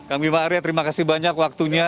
kang bima arya terima kasih banyak waktunya